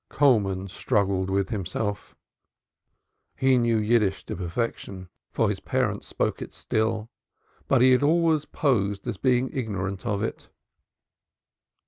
Coleman struggled with himself. He knew the jargon to perfection, for his parents spoke it still, but he had always posed as being ignorant of it.